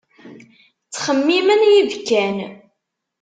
Ttxemmimen yibekkan.